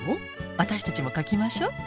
私たちも書きましょ。